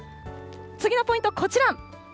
次のポイント、こちら。